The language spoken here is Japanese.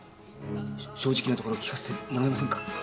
正直なところ聞かせてもらえませんか。